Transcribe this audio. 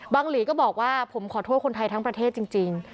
หลีก็บอกว่าผมขอโทษคนไทยทั้งประเทศจริง